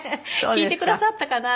聴いてくださったかな？